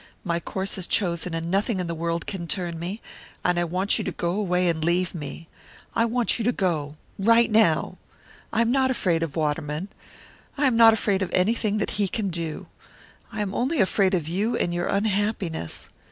My course is chosen, and nothing in the world can turn me; and I want you to go away and leave me. I want you to go right now! I am not afraid of Waterman; I am not afraid of anything that he can do. I am only afraid of you, and your unhappiness.